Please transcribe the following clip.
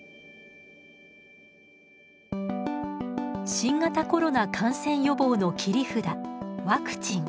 新型コロナ感染予防の切り札ワクチン。